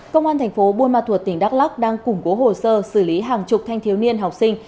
công an thành phố buôn ma thuột tỉnh đắk lắc đang củng cố hồ sơ xử lý hàng chục thanh thiếu niên học sinh